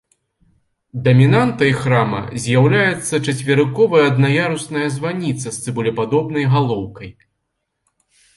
Дамінантай храма з'яўляецца чацверыковая аднаярусная званіца з цыбулепадобнай галоўкай.